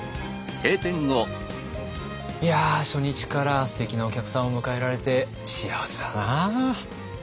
いや初日からすてきなお客さんを迎えられて幸せだな。